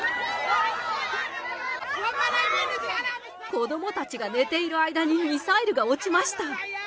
子どもたちが寝ている間にミサイルが落ちました。